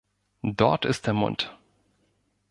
Dort ist der Mund!